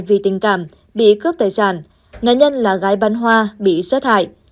vì tình cảm bị khớp tài sản nạn nhân là gái băn hoa bị sát hại